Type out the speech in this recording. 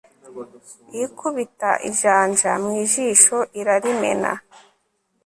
iyikubita ijanja mu jisho irarimena